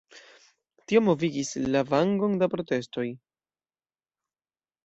Tio movigis lavangon da protestoj.